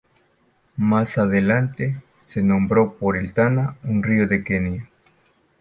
Más adelante se nombró por el Tana, un río de Kenia.